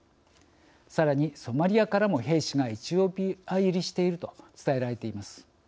さらにソマリアからも兵士がエチオピア入りしていると伝えられています。